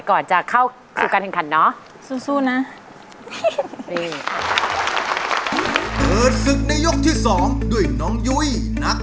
ก่อนจะเข้าสู่การแข่งขันเนาะสู้นะ